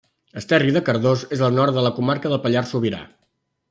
Esterri de Cardós és al nord de la comarca del Pallars Sobirà.